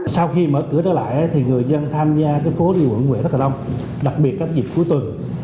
sau khi mở cửa đó lại thì người dân tham gia cái phố đi bộ nguyễn huệ rất là đông đặc biệt các dịp cuối tuần